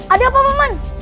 ada apa maman